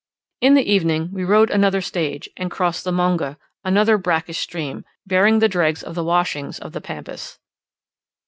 In the evening we rode another stage, and crossed the Monge, another brackish stream, bearing the dregs of the washings of the Pampas.